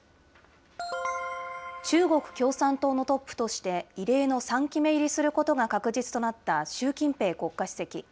中国共産党のトップとして、異例の３期目入りすることが確実となった習近平国家主席。